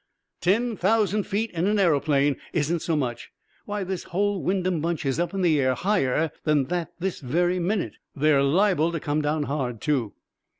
"Ten thousand feet in an aeroplane isn't so much; why, this whole Wyndham bunch is up in the air higher than that this very minute. They're liable to come down hard, too."